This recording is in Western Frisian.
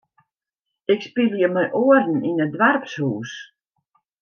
Ik spylje mei oaren yn it doarpshûs.